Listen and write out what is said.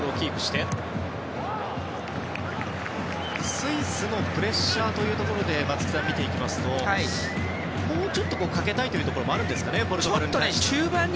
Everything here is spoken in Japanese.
スイスのプレッシャーというところで松木さん、見ていきますともうちょっとかけたいというところもあるんですかね、ポルトガルに。